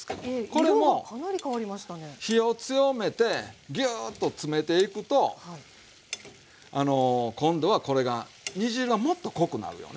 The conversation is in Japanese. これも火を強めてギューッとつめていくと今度はこれが煮汁がもっと濃くなるよね。